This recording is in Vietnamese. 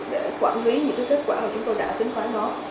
để quản lý những kết quả mà chúng tôi đã tính toán nó